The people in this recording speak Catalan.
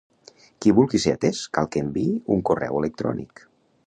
Qui vulgui ser atès, cal que enviï un correu electrònic.